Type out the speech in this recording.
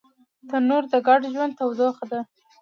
تنور د ګډ ژوند تودوخه ده